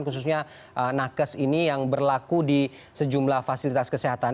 khususnya nakes ini yang berlaku di sejumlah fasilitas kesehatan